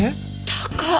高っ！